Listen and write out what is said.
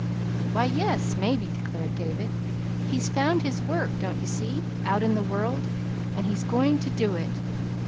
"Why, yes, maybe," declared David. "He's found his work don't you see? out in the world, and he's going to do it.